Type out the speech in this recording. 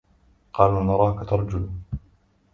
قالوا نراك ترجل